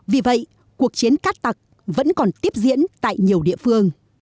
vì vậy cuộc chiến cát tặc vẫn còn tiếp diễn tại nhiều địa phương